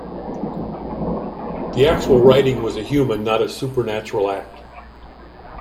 The actual writing was a human not a supernatural act.